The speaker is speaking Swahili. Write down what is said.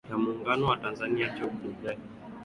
ya muungano wa tanzania job ndugai